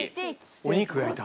お肉焼いた？